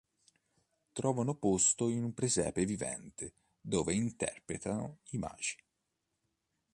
Trovano posto in un presepe vivente dove interpretano i Magi.